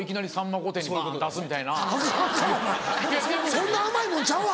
そんな甘いもんちゃうわ